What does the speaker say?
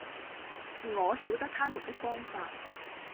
我曉得他們的方法，